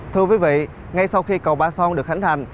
thưa quý vị ngay sau khi cầu ba son được khánh thành